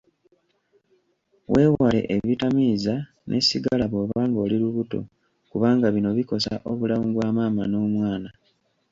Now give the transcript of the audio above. Weewale ebitamiiza ne sigala bw'oba ng'oli lubuto kubanga bino bikosa obulamu bwa maama n'omwana.